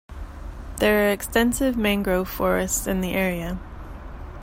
There are extensive mangrove forests in the area.